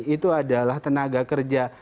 itu adalah tenaga kerja